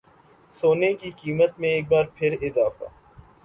سونے کی قیمت میں ایک بار پھر اضافہ